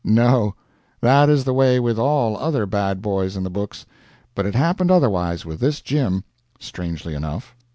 No; that is the way with all other bad boys in the books; but it happened otherwise with this Jim, strangely enough.